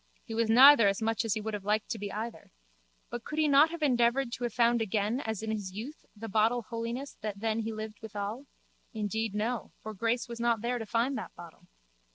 He was neither as much as he would have liked to be either. But could he not have endeavoured to have found again as in his youth the bottle Holiness that then he lived withal? Indeed no for Grace was not there to find that bottle.